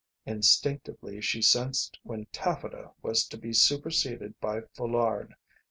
Instinctively she sensed when taffeta was to be superseded by foulard.